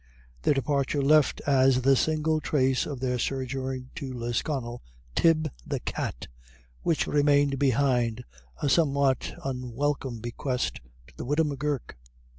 Their departure left as the single trace of their sojourn in Lisconnel, Tib the cat, which remained behind, a somewhat unwelcome bequest to the widow M'Gurk.